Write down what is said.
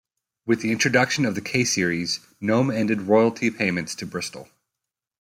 With the introduction of the K-series, Gnome ended royalty payments to Bristol.